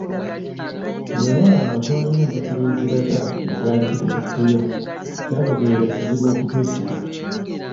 "Weewaawo nga twalina empapula eziraga ekyali kitututteyo, kyababeerera kizibu okutwesiga."